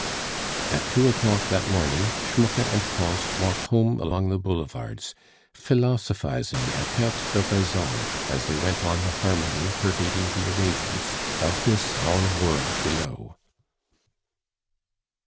At two o'clock that morning, Schmucke and Pons walked home along the boulevards, philosophizing a perte de raison as they went on the harmony pervading the arrangements of this our world below.